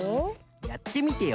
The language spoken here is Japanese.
やってみてよ